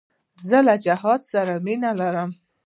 زه له جهاد سره مینه لرم.